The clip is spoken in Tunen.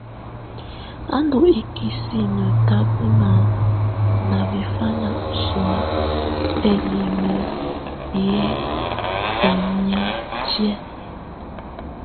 Á ndù ikisinǝ tabɔna na bɛfana ɔsɔ̀á ǝlimǝ yɛ ɔnɛ̀á tɛ̀á.